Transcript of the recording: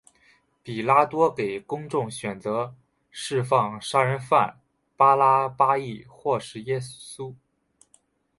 比拉多给公众选择释放杀人犯巴辣巴抑或是耶稣。